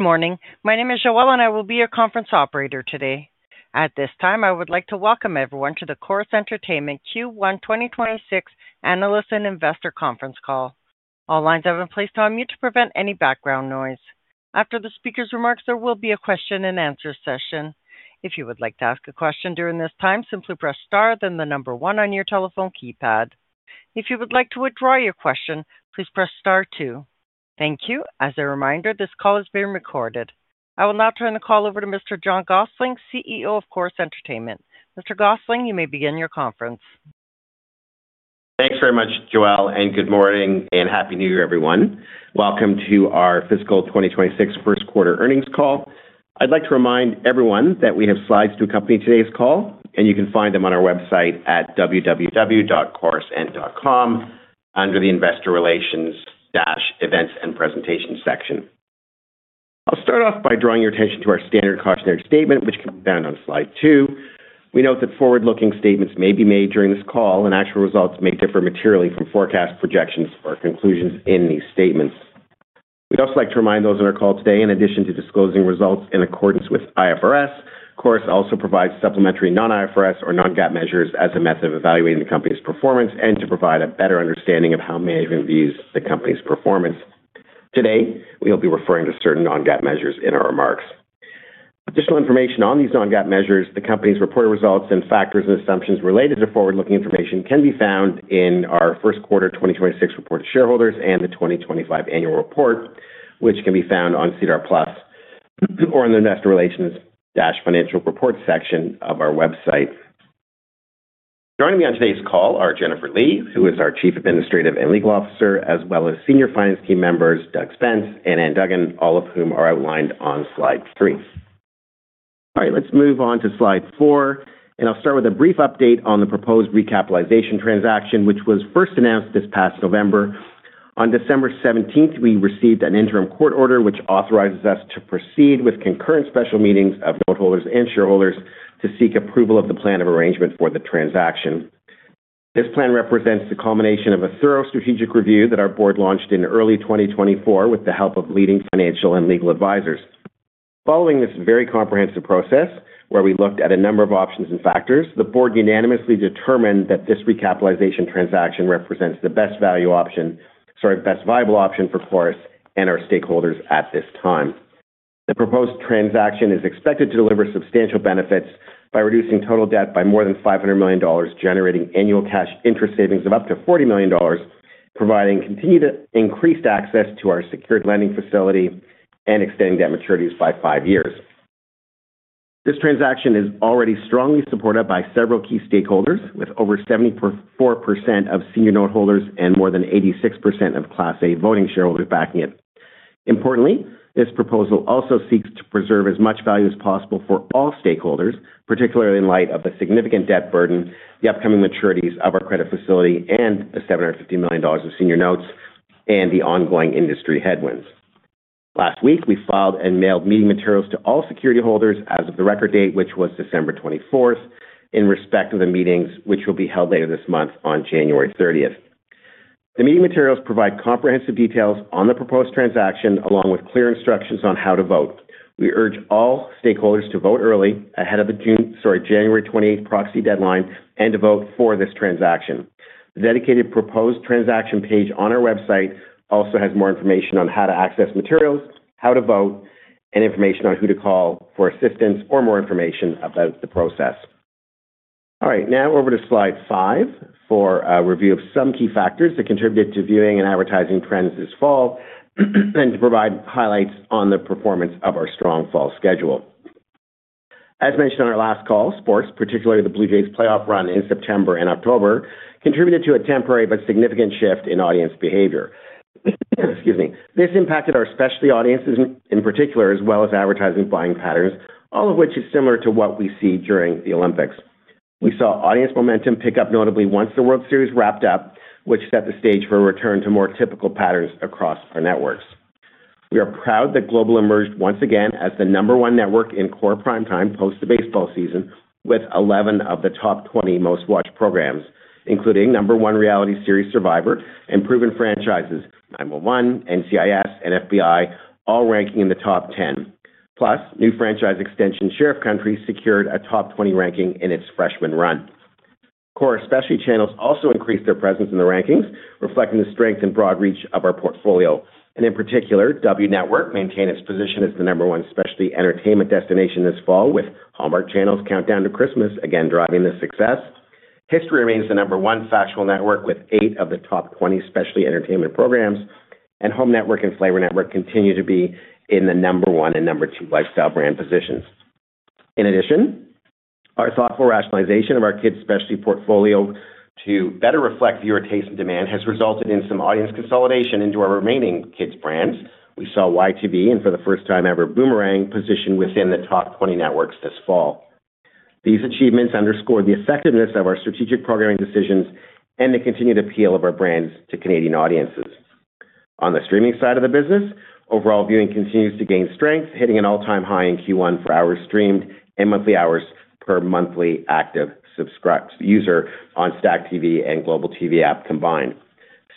Morning. My name is Joelle, and I will be your conference operator today. At this time, I would like to welcome everyone to the Corus Entertainment Q1 2026 Analysts and Investors Conference Call. All lines have been placed on mute to prevent any background noise. After the speaker's remarks, there will be a question and answer session. If you would like to ask a question during this time, simply press star, then the number one on your telephone keypad. If you would like to withdraw your question, please press star two. Thank you. As a reminder, this call is being recorded. I will now turn the call over to Mr. John Gossling, CEO of Corus Entertainment. Mr. Gossling, you may begin your conference. Thanks very much, Joelle, and good morning and happy New Year, everyone. Welcome to our fiscal 2026 first quarter earnings call. I'd like to remind everyone that we have slides to accompany today's call, and you can find them on our website at www.corusent.com under the Investor Relations-Events and Presentations section. I'll start off by drawing your attention to our standard cautionary statement, which can be found on Slide 2. We note that forward-looking statements may be made during this call, and actual results may differ materially from forecast projections or conclusions in these statements. We'd also like to remind those on our call today, in addition to disclosing results in accordance with IFRS, Corus also provides supplementary non-IFRS or non-GAAP measures as a method of evaluating the company's performance and to provide a better understanding of how management views the company's performance. Today, we will be referring to certain non-GAAP measures in our remarks. Additional information on these non-GAAP measures, the company's reported results, and factors and assumptions related to forward-looking information can be found in our first quarter 2026 report to shareholders and the 2025 annual report, which can be found on SEDAR+ or in the Investor Relations-Financial Reports section of our website. Joining me on today's call are Jennifer Lee, who is our Chief Administrative and Legal Officer, as well as senior finance team members Doug Spence and Anne Duggan, all of whom are outlined on Slide 3. All right, let's move on to Slide 4, and I'll start with a brief update on the proposed recapitalization transaction, which was first announced this past November. On December 17th, we received an interim court order which authorizes us to proceed with concurrent special meetings of noteholders and shareholders to seek approval of the plan of arrangement for the transaction. This plan represents the culmination of a thorough strategic review that our board launched in early 2024 with the help of leading financial and legal advisors. Following this very comprehensive process, where we looked at a number of options and factors, the board unanimously determined that this recapitalization transaction represents the best value option, sorry, best viable option, for Corus and our stakeholders at this time. The proposed transaction is expected to deliver substantial benefits by reducing total debt by more than 500 million dollars, generating annual cash interest savings of up to 40 million dollars, providing continued increased access to our secured lending facility, and extending debt maturities by five years. This transaction is already strongly supported by several key stakeholders, with over 74% of senior noteholders and more than 86% of Class A Voting Shareholders backing it. Importantly, this proposal also seeks to preserve as much value as possible for all stakeholders, particularly in light of the significant debt burden, the upcoming maturities of our credit facility, and the 750 million dollars of senior notes and the ongoing industry headwinds. Last week, we filed and mailed meeting materials to all security holders as of the record date, which was December 24th, in respect of the meetings which will be held later this month on January 30th. The meeting materials provide comprehensive details on the proposed transaction, along with clear instructions on how to vote. We urge all stakeholders to vote early ahead of the June, sorry, January 28th proxy deadline, and to vote for this transaction. The dedicated proposed transaction page on our website also has more information on how to access materials, how to vote, and information on who to call for assistance or more information about the process. All right, now over to Slide 5 for a review of some key factors that contributed to viewing and advertising trends this fall and to provide highlights on the performance of our strong fall schedule. As mentioned on our last call, sports, particularly the Blue Jays playoff run in September and October, contributed to a temporary but significant shift in audience behavior. Excuse me. This impacted our specialty audiences in particular, as well as advertising buying patterns, all of which is similar to what we see during the Olympics. We saw audience momentum pick up notably once the World Series wrapped up, which set the stage for a return to more typical patterns across our networks. We are proud that Global emerged once again as the number one network in core primetime post the baseball season, with 11 of the top 20 most-watched programs, including number one reality series Survivor and proven franchises 9-1-1, NCIS, and FBI, all ranking in the top 10. Plus, new franchise extension Sheriff Country secured a top 20 ranking in its freshman run. Corus specialty channels also increased their presence in the rankings, reflecting the strength and broad reach of our portfolio, and in particular, W Network maintained its position as the number one specialty entertainment destination this fall, with Hallmark Channel's Countdown to Christmas again driving the success. History remains the number one factual network with eight of the top 20 specialty entertainment programs, and Home Network and Flavour Network continue to be in the number one and number two lifestyle brand positions. In addition, our thoughtful rationalization of our kids' specialty portfolio to better reflect viewer taste and demand has resulted in some audience consolidation into our remaining kids' brands. We saw YTV, and for the first time ever, Boomerang positioned within the top 20 networks this fall. These achievements underscored the effectiveness of our strategic programming decisions and the continued appeal of our brands to Canadian audiences. On the streaming side of the business, overall viewing continues to gain strength, hitting an all-time high in Q1 for hours streamed and monthly hours per monthly active subscribers user on STACKTV and Global TV App combined.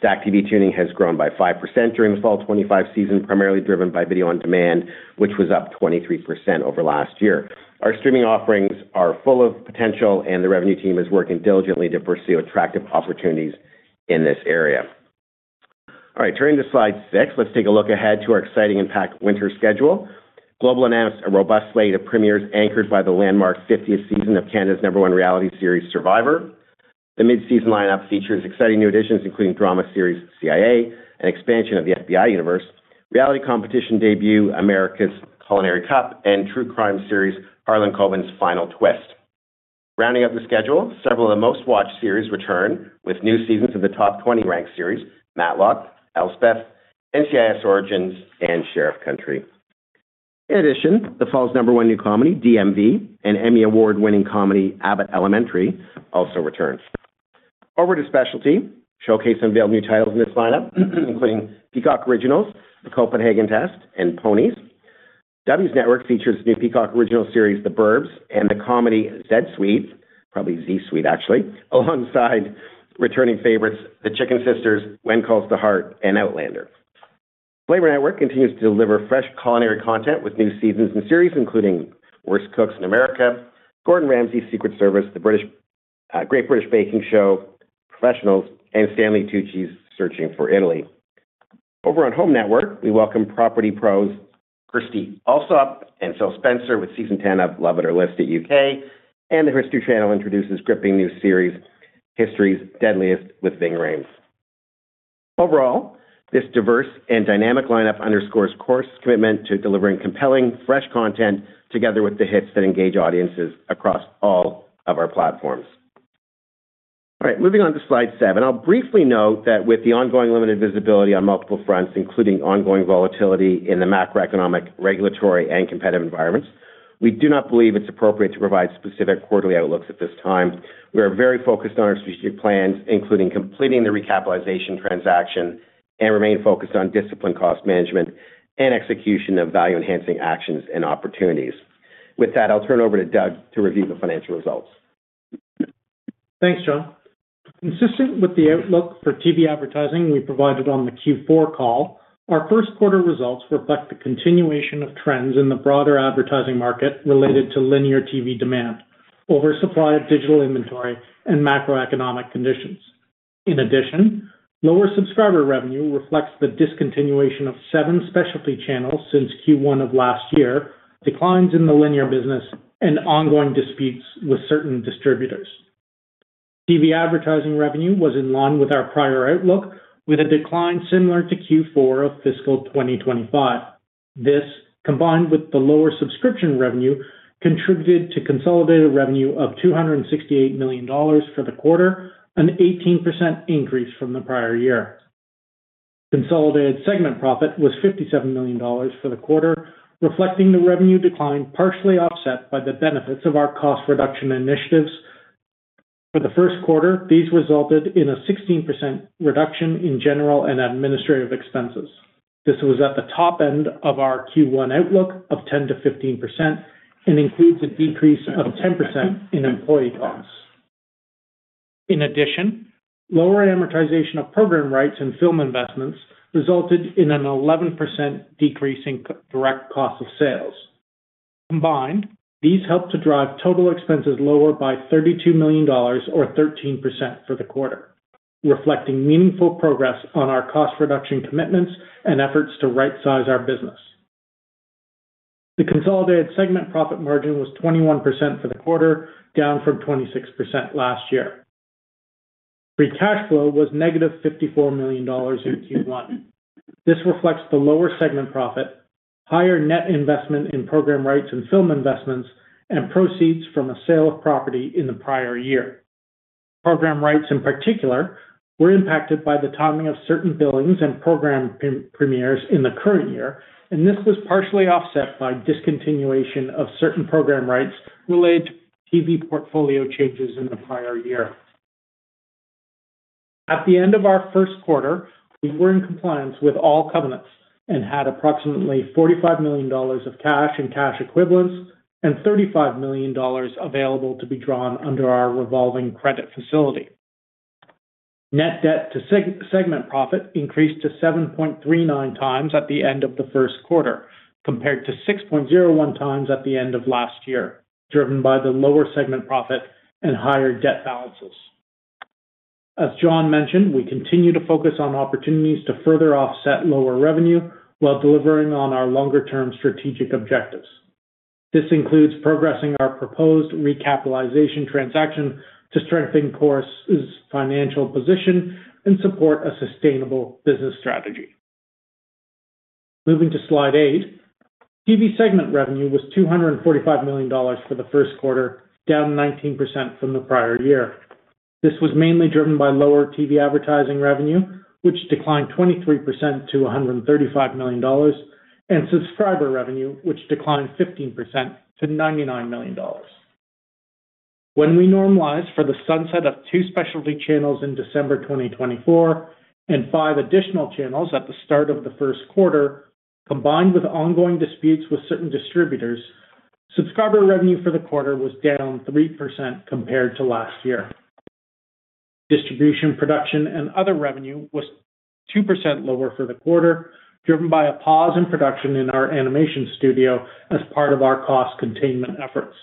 STACKTV tuning has grown by 5% during the fall 2025 season, primarily driven by video on demand, which was up 23% over last year. Our streaming offerings are full of potential, and the revenue team is working diligently to pursue attractive opportunities in this area. All right, turning to Slide 6, let's take a look ahead to our exciting and packed winter schedule. Global announced a robust slate of premieres anchored by the landmark 50th season of Canada's number one reality series Survivor. The mid-season lineup features exciting new additions, including drama series CIA, an expansion of the FBI universe, reality competition debut America's Culinary Cup, and true crime series Harlan Coben's Final Twist. Rounding out the schedule, several of the most-watched series return with new seasons of the top 20 ranked series: Matlock, Elsbeth, NCIS: Origins, and Sheriff Country. In addition, the fall's number one new comedy DMV and Emmy Award-winning comedy Abbott Elementary also returns. Forward to specialty, Showcase unveiled new titles in this lineup, including Peacock Originals, The Copenhagen Test, and Ponies. W Network features new Peacock Originals series The 'Burbs and the comedy Z-Suite, probably Z-Suite, actually, alongside returning favorites The Chicken Sisters, When Calls the Heart, and Outlander. Flavour Network continues to deliver fresh culinary content with new seasons and series, including Worst Cooks in America, Gordon Ramsay's Secret Service, The Great British Baking Show, Professionals, and Stanley Tucci: Searching for Italy. Over on Home Network, we welcome Property Pros Kirstie Allsopp and Phil Spencer with season 10 of Love It or List It U.K., and the History Channel introduces gripping new series History's Deadliest with Ving Rhames. Overall, this diverse and dynamic lineup underscores Corus's commitment to delivering compelling, fresh content together with the hits that engage audiences across all of our platforms. All right, moving on to Slide 7, I'll briefly note that with the ongoing limited visibility on multiple fronts, including ongoing volatility in the macroeconomic, regulatory, and competitive environments, we do not believe it's appropriate to provide specific quarterly outlooks at this time. We are very focused on our strategic plans, including completing the recapitalization transaction, and remain focused on disciplined cost management and execution of value-enhancing actions and opportunities. With that, I'll turn it over to Doug to review the financial results. Thanks, John. Consistent with the outlook for TV advertising we provided on the Q4 call, our first quarter results reflect the continuation of trends in the broader advertising market related to linear TV demand, oversupply of digital inventory, and macroeconomic conditions. In addition, lower subscriber revenue reflects the discontinuation of seven specialty channels since Q1 of last year, declines in the linear business, and ongoing disputes with certain distributors. TV advertising revenue was in line with our prior outlook, with a decline similar to Q4 of fiscal 2025. This, combined with the lower subscription revenue, contributed to consolidated revenue of 268 million dollars for the quarter, an 18% increase from the prior year. Consolidated segment profit was 57 million dollars for the quarter, reflecting the revenue decline partially offset by the benefits of our cost reduction initiatives. For the first quarter, these resulted in a 16% reduction in general and administrative expenses. This was at the top end of our Q1 outlook of 10%-15% and includes a decrease of 10% in employee costs. In addition, lower amortization of program rights and film investments resulted in an 11% decrease in direct cost of sales. Combined, these helped to drive total expenses lower by 32 million dollars, or 13% for the quarter, reflecting meaningful progress on our cost reduction commitments and efforts to right-size our business. The consolidated segment profit margin was 21% for the quarter, down from 26% last year. Free cash flow was -54 million dollars in Q1. This reflects the lower segment profit, higher net investment in program rights and film investments, and proceeds from a sale of property in the prior year. Program rights, in particular, were impacted by the timing of certain billings and program premieres in the current year, and this was partially offset by discontinuation of certain program rights related to TV portfolio changes in the prior year. At the end of our first quarter, we were in compliance with all covenants and had approximately 45 million dollars of cash and cash equivalents and 35 million dollars available to be drawn under our revolving credit facility. Net debt to segment profit increased to 7.39x at the end of the first quarter, compared to 6.01 times at the end of last year, driven by the lower segment profit and higher debt balances. As John mentioned, we continue to focus on opportunities to further offset lower revenue while delivering on our longer-term strategic objectives. This includes progressing our proposed recapitalization transaction to strengthen Corus's financial position and support a sustainable business strategy. Moving to Slide 8, TV segment revenue was 245 million dollars for the first quarter, down 19% from the prior year. This was mainly driven by lower TV advertising revenue, which declined 23% to 135 million dollars, and subscriber revenue, which declined 15% to 99 million dollars. When we normalize for the sunset of two specialty channels in December 2024 and five additional channels at the start of the first quarter, combined with ongoing disputes with certain distributors, subscriber revenue for the quarter was down 3% compared to last year. Distribution, production, and other revenue was 2% lower for the quarter, driven by a pause in production in our animation studio as part of our cost containment efforts.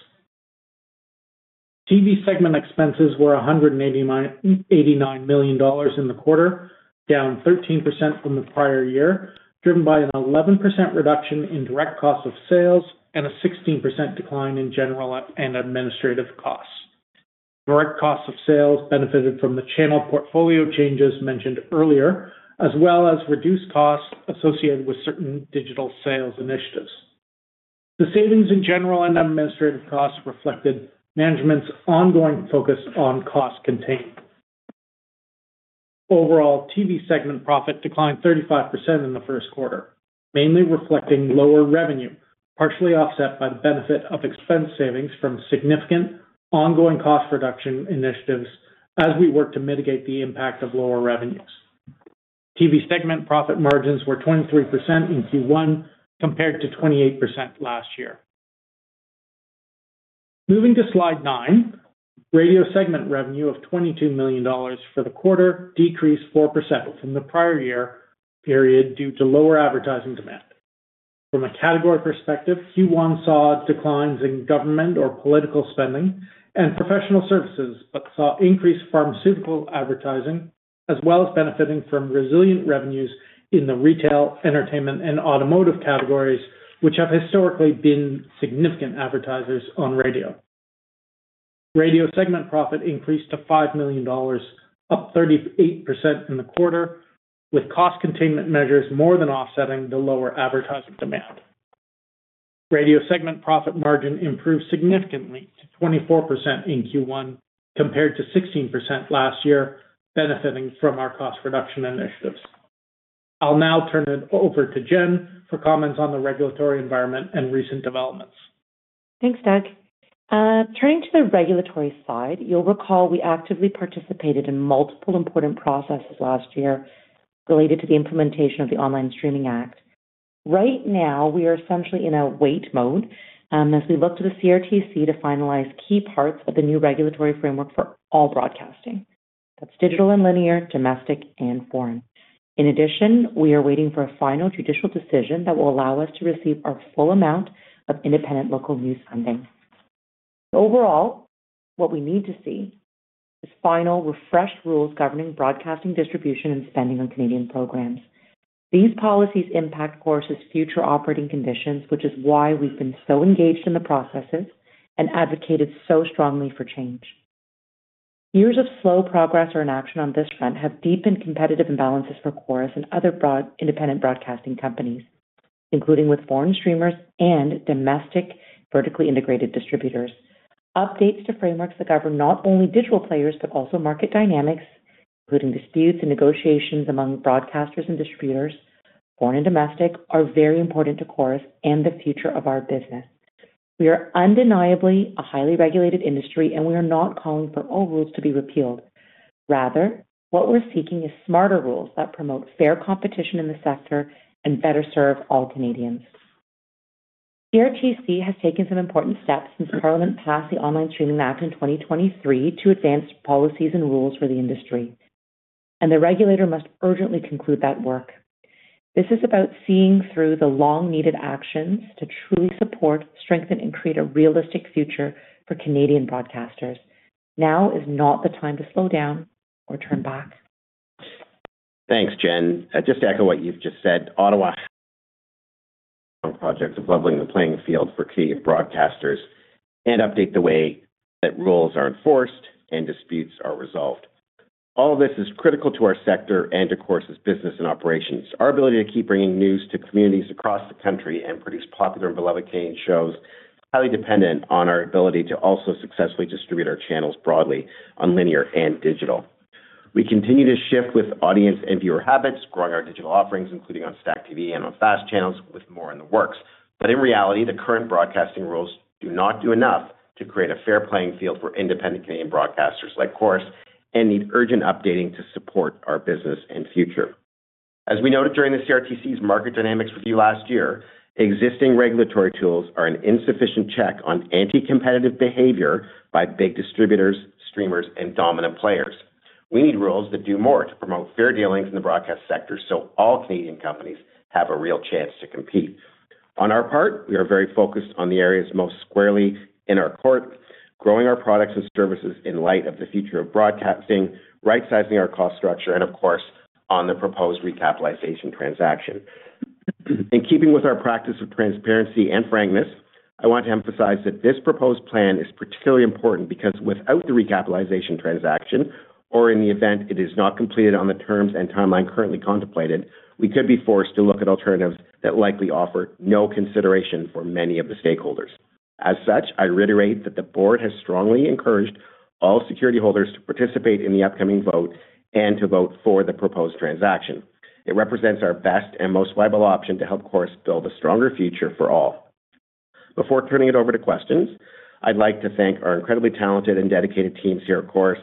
TV segment expenses were 189 million dollars in the quarter, down 13% from the prior year, driven by an 11% reduction in direct cost of sales and a 16% decline in general and administrative costs. Direct cost of sales benefited from the channel portfolio changes mentioned earlier, as well as reduced costs associated with certain digital sales initiatives. The savings in general and administrative costs reflected management's ongoing focus on cost containment. Overall, TV segment profit declined 35% in the first quarter, mainly reflecting lower revenue, partially offset by the benefit of expense savings from significant ongoing cost reduction initiatives as we work to mitigate the impact of lower revenues. TV segment profit margins were 23% in Q1 compared to 28% last year. Moving to Slide 9, radio segment revenue of 22 million dollars for the quarter decreased 4% from the prior year period due to lower advertising demand. From a category perspective, Q1 saw declines in government or political spending and professional services, but saw increased pharmaceutical advertising, as well as benefiting from resilient revenues in the retail, entertainment, and automotive categories, which have historically been significant advertisers on radio. Radio segment profit increased to 5 million dollars, up 38% in the quarter, with cost containment measures more than offsetting the lower advertising demand. Radio segment profit margin improved significantly to 24% in Q1 compared to 16% last year, benefiting from our cost reduction initiatives. I'll now turn it over to Jen for comments on the regulatory environment and recent developments. Thanks, Doug. Turning to the regulatory side, you'll recall we actively participated in multiple important processes last year related to the implementation of the Online Streaming Act. Right now, we are essentially in a wait mode as we look to the CRTC to finalize key parts of the new regulatory framework for all broadcasting. That's digital and linear, domestic, and foreign. In addition, we are waiting for a final judicial decision that will allow us to receive our full amount of independent local news funding. Overall, what we need to see is final, refreshed rules governing broadcasting, distribution, and spending on Canadian programs. These policies impact Corus's future operating conditions, which is why we've been so engaged in the processes and advocated so strongly for change. Years of slow progress or inaction on this front have deepened competitive imbalances for Corus and other independent broadcasting companies, including with foreign streamers and domestic vertically integrated distributors. Updates to frameworks that govern not only digital players but also market dynamics, including disputes and negotiations among broadcasters and distributors, foreign and domestic, are very important to Corus and the future of our business. We are undeniably a highly regulated industry, and we are not calling for all rules to be repealed. Rather, what we're seeking is smarter rules that promote fair competition in the sector and better serve all Canadians. CRTC has taken some important steps since Parliament passed the Online Streaming Act in 2023 to advance policies and rules for the industry, and the regulator must urgently conclude that work. This is about seeing through the long-needed actions to truly support, strengthen, and create a realistic future for Canadian broadcasters. Now is not the time to slow down or turn back. Thanks, Jen. Just to echo what you've just said, Ottawa project of leveling the playing field for key broadcasters and update the way that rules are enforced and disputes are resolved. All of this is critical to our sector and to Corus's business and operations. Our ability to keep bringing news to communities across the country and produce popular and beloved Canadian shows is highly dependent on our ability to also successfully distribute our channels broadly on linear and digital. We continue to shift with audience and viewer habits, growing our digital offerings, including on STACKTV and on FAST channels, with more in the works. But in reality, the current broadcasting rules do not do enough to create a fair playing field for independent Canadian broadcasters like Corus and need urgent updating to support our business and future. As we noted during the CRTC's market dynamics review last year, existing regulatory tools are an insufficient check on anti-competitive behavior by big distributors, streamers, and dominant players. We need rules that do more to promote fair dealings in the broadcast sector so all Canadian companies have a real chance to compete. On our part, we are very focused on the areas most squarely in our court, growing our products and services in light of the future of broadcasting, right-sizing our cost structure, and of course, on the proposed recapitalization transaction. In keeping with our practice of transparency and frankness, I want to emphasize that this proposed plan is particularly important because without the recapitalization transaction, or in the event it is not completed on the terms and timeline currently contemplated, we could be forced to look at alternatives that likely offer no consideration for many of the stakeholders. As such, I reiterate that the board has strongly encouraged all security holders to participate in the upcoming vote and to vote for the proposed transaction. It represents our best and most viable option to help Corus build a stronger future for all. Before turning it over to questions, I'd like to thank our incredibly talented and dedicated teams here at Corus,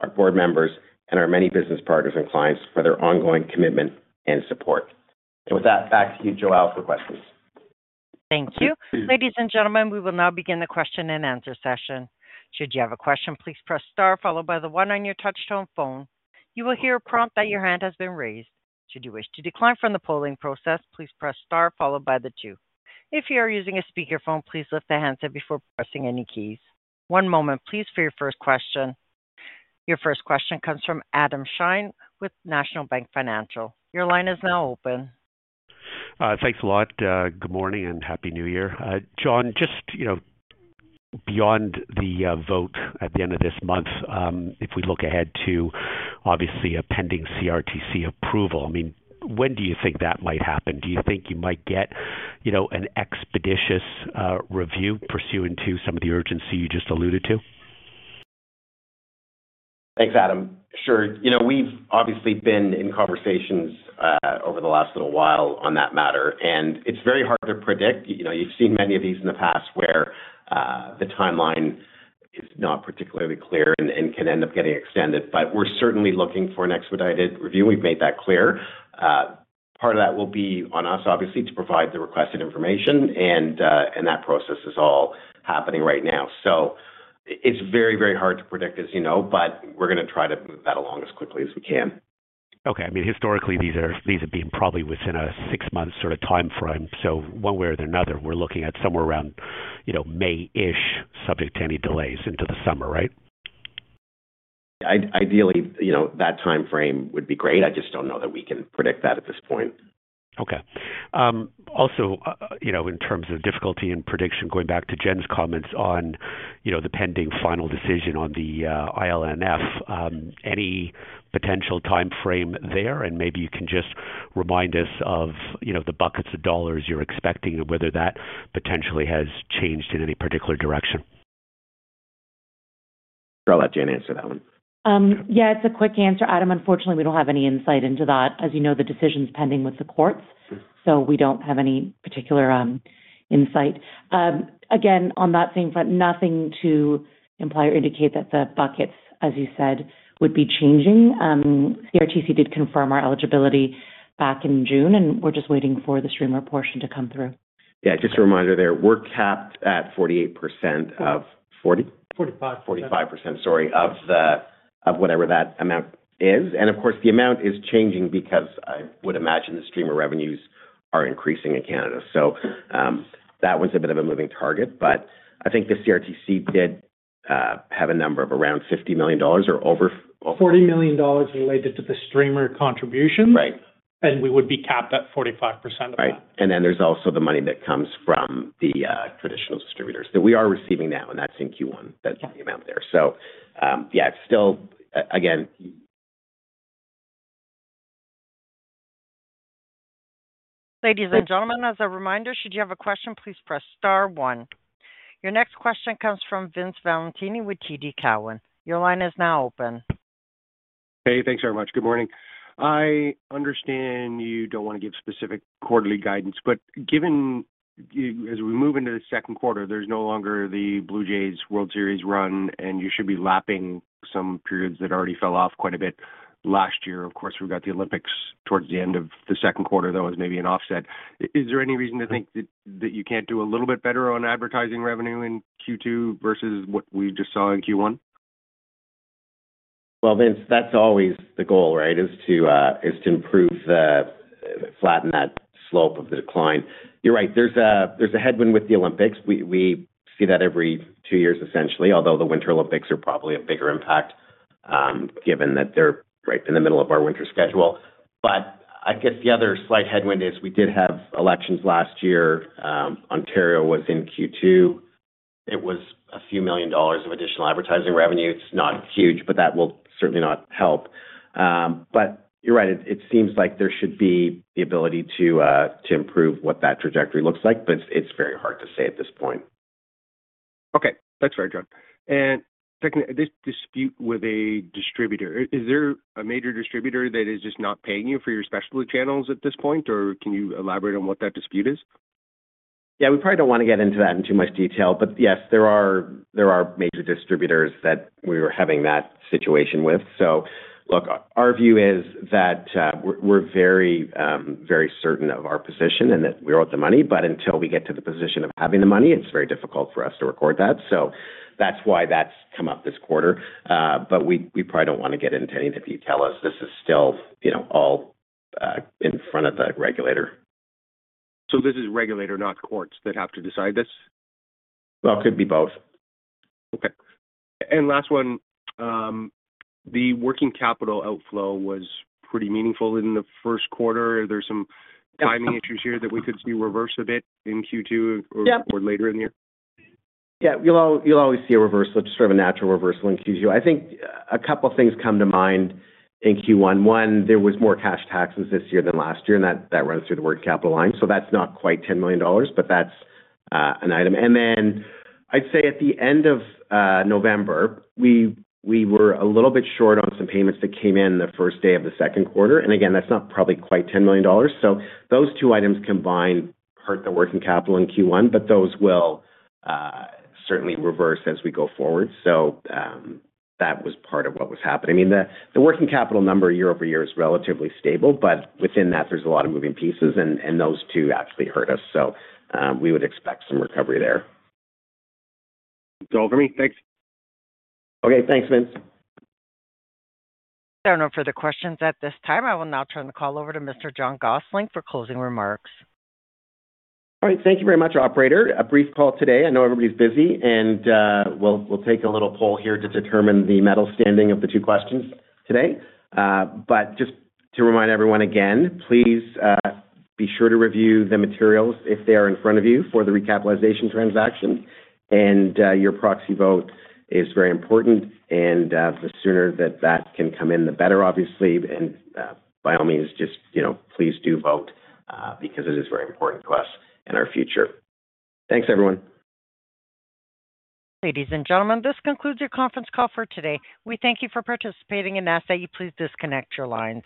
our board members, and our many business partners and clients for their ongoing commitment and support. And with that, back to you, Joelle, for questions. Thank you. Ladies and gentlemen, we will now begin the question and answer session. Should you have a question, please press star followed by the one on your touch-tone phone. You will hear a prompt that your hand has been raised. Should you wish to decline from the polling process, please press star followed by the two. If you are using a speakerphone, please lift the handset before pressing any keys. One moment, please, for your first question. Your first question comes from Adam Shine with National Bank Financial. Your line is now open. Thanks a lot. Good morning and happy New Year. John, just beyond the vote at the end of this month, if we look ahead to obviously a pending CRTC approval, I mean, when do you think that might happen? Do you think you might get an expeditious review pursuant to some of the urgency you just alluded to? Thanks, Adam. Sure. We've obviously been in conversations over the last little while on that matter, and it's very hard to predict. You've seen many of these in the past where the timeline is not particularly clear and can end up getting extended, but we're certainly looking for an expedited review. We've made that clear. Part of that will be on us, obviously, to provide the requested information, and that process is all happening right now. So it's very, very hard to predict, as you know, but we're going to try to move that along as quickly as we can. Okay. I mean, historically, these have been probably within a six-month sort of timeframe. So one way or another, we're looking at somewhere around May-ish, subject to any delays into the summer, right? Ideally, that timeframe would be great. I just don't know that we can predict that at this point. Okay. Also, in terms of difficulty in prediction, going back to Jen's comments on the pending final decision on the ILNF, any potential timeframe there? And maybe you can just remind us of the buckets of dollars you're expecting and whether that potentially has changed in any particular direction. Sure. I'll let Jen answer that one. Yeah, it's a quick answer, Adam. Unfortunately, we don't have any insight into that. As you know, the decision's pending with the courts, so we don't have any particular insight. Again, on that same front, nothing to imply or indicate that the buckets, as you said, would be changing. CRTC did confirm our eligibility back in June, and we're just waiting for the streamer portion to come through. Yeah, just a reminder there. We're capped at 48% of 40%? 45%. 45%, sorry, of whatever that amount is, and of course, the amount is changing because I would imagine the streamer revenues are increasing in Canada, so that was a bit of a moving target, but I think the CRTC did have a number of around 50 million dollars or over. 40 million dollars related to the streamer contribution? Right. We would be capped at 45% of that. Right. And then there's also the money that comes from the traditional distributors that we are receiving now, and that's in Q1, the amount there. So yeah, it's still, again. Ladies and gentlemen, as a reminder, should you have a question, please press star one. Your next question comes from Vince Valentini with TD Cowen. Your line is now open. Hey, thanks very much. Good morning. I understand you don't want to give specific quarterly guidance, but given as we move into the second quarter, there's no longer the Blue Jays World Series run, and you should be lapping some periods that already fell off quite a bit last year. Of course, we've got the Olympics towards the end of the second quarter, though, as maybe an offset. Is there any reason to think that you can't do a little bit better on advertising revenue in Q2 versus what we just saw in Q1? Vince, that's always the goal, right, is to improve, flatten that slope of the decline. You're right. There's a headwind with the Olympics. We see that every two years, essentially, although the Winter Olympics are probably a bigger impact given that they're right in the middle of our winter schedule. But I guess the other slight headwind is we did have elections last year. Ontario was in Q2. It was a few million dollars of additional advertising revenue. It's not huge, but that will certainly not help. But you're right. It seems like there should be the ability to improve what that trajectory looks like, but it's very hard to say at this point. Okay. That's fair, John, and this dispute with a distributor, is there a major distributor that is just not paying you for your specialty channels at this point, or can you elaborate on what that dispute is? Yeah, we probably don't want to get into that in too much detail, but yes, there are major distributors that we were having that situation with. So look, our view is that we're very, very certain of our position and that we're worth the money, but until we get to the position of having the money, it's very difficult for us to record that. So that's why that's come up this quarter. But we probably don't want to get into any of the detail as this is still all in front of the regulator. So this is regulator, not courts that have to decide this? It could be both. Okay. And last one, the working capital outflow was pretty meaningful in the first quarter. Are there some timing issues here that we could see reverse a bit in Q2 or later in the year? Yeah. You'll always see a reversal, just sort of a natural reversal in Q2. I think a couple of things come to mind in Q1. One, there was more cash taxes this year than last year, and that runs through the working capital line. So that's not quite 10 million dollars, but that's an item. And then I'd say at the end of November, we were a little bit short on some payments that came in the first day of the second quarter. And again, that's not probably quite 10 million dollars. So those two items combined hurt the working capital in Q1, but those will certainly reverse as we go forward. So that was part of what was happening. I mean, the working capital number year-over-year is relatively stable, but within that, there's a lot of moving pieces, and those two actually hurt us. So we would expect some recovery there. That's all for me. Thanks. Okay. Thanks, Vince. There are no further questions at this time. I will now turn the call over to Mr. John Gossling for closing remarks. All right. Thank you very much, operator. A brief call today. I know everybody's busy, and we'll take a little poll here to determine the medal standing of the two questions today. But just to remind everyone again, please be sure to review the materials if they are in front of you for the recapitalization transaction. And your proxy vote is very important, and the sooner that that can come in, the better, obviously. And by all means, just please do vote because it is very important to us and our future. Thanks, everyone. Ladies and gentlemen, this concludes your conference call for today. We thank you for participating in Corus. Please disconnect your lines.